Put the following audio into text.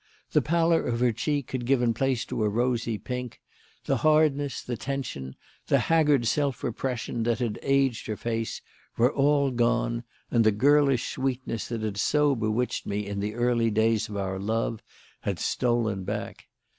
The pallor of her cheek had given place to a rosy pink; the hardness, the tension, the haggard self repression that had aged her face, were all gone, and the girlish sweetness that had so bewitched me in the early days of our love had stolen back.